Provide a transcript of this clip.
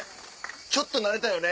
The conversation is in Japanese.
ちょっと慣れたよね。